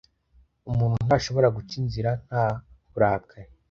Umuntu ntashobora guca inzira nta burakari